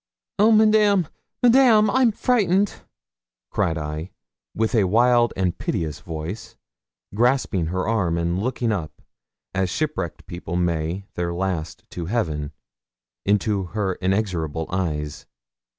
'Oh, Madame! Madame! I'm frightened,' cried I, with a wild and piteous voice, grasping her arm, and looking up, as shipwrecked people may their last to heaven, into her inexorable eyes.